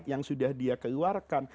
yang sudah dia keluarkan